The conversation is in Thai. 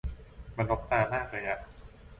มันรกตามากเลยอ่ะ